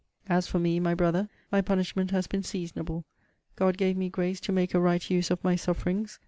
As for me, my Brother, my punishment has been seasonable. God gave me grace to make a right use of my sufferings.